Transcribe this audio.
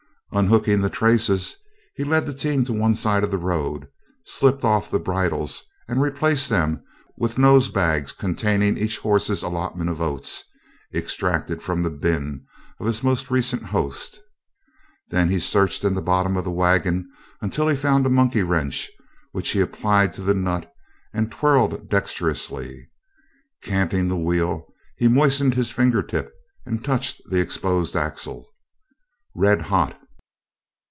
Unhooking the traces, he led the team to one side of the road, slipped off the bridles and replaced them with nose bags containing each horse's allotment of oats extracted from the bin of his most recent host. Then he searched in the bottom of the wagon until he found a monkey wrench which he applied to the nut and twirled dextrously. Canting the wheel, he moistened his finger tip and touched the exposed axle. "Red hot!"